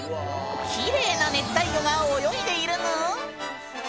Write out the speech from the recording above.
キレイな熱帯魚が泳いでいるぬーん！